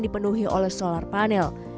dipenuhi oleh solar panel